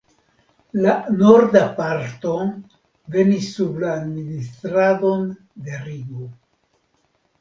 La norda parto venis sub la administradon de Rigo.